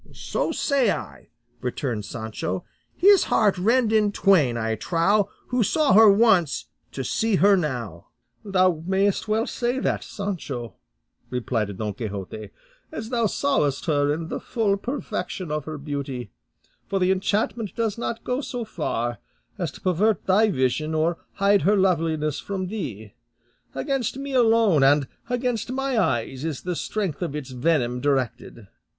"So say I," returned Sancho; "his heart rend in twain, I trow, who saw her once, to see her now." "Thou mayest well say that, Sancho," replied Don Quixote, "as thou sawest her in the full perfection of her beauty; for the enchantment does not go so far as to pervert thy vision or hide her loveliness from thee; against me alone and against my eyes is the strength of its venom directed.